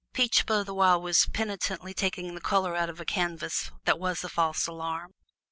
Peachblow the while was petulantly taking the color out of a canvas that was a false alarm.